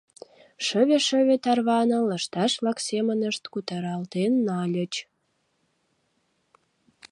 Шыве-шыве тарваныл, лышташ-влак семынышт кутыралтен нальыч.